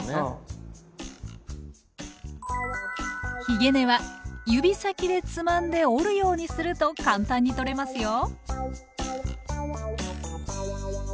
ひげ根は指先でつまんで折るようにすると簡単に取れますよ。